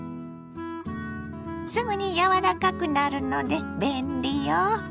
すぐに柔らかくなるので便利よ。